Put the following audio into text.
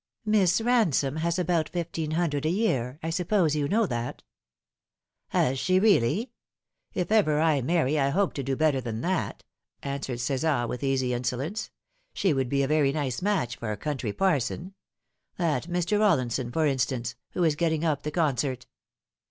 " Miss Bansome has about fifteen hundred a year. I suppose you know that ?"" Has she really ? If ever I marry I hope to do better than that," answered Csar with easy insolence. " She would be a very nice match for a country parson ; that Mr. Bollinson, for instance, who is getting up the concert."